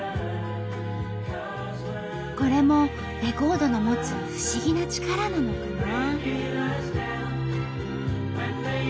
これもレコードの持つ不思議な力なのかな。